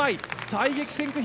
最激戦区